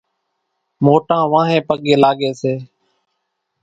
موٽان وانھين پڳين لاڳي سي۔